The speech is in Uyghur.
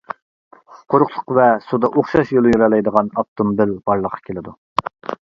قۇرۇقلۇق ۋە سۇدا ئوخشاش يول يۈرەلەيدىغان ئاپتوموبىل بارلىققا كېلىدۇ.